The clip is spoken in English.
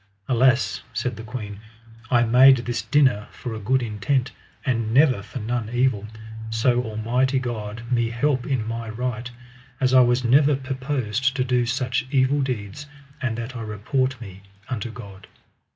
Alas, said the queen, I made this dinner for a good intent, and never for none evil, so Almighty God me help in my right, as I was never purposed to do such evil deeds, and that I report me unto God.